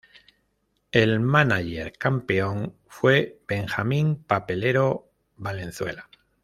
El mánager campeón fue Benjamín "Papelero" Valenzuela.